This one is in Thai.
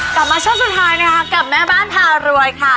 กลับมาช่วงสุดท้ายนะคะกับแม่บ้านพารวยค่ะ